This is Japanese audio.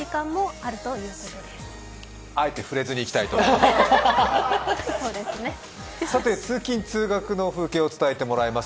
あえて触れずにいきたいと思います。